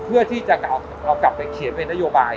เพื่อที่จะเอากลับไปเขียนเป็นนโยบาย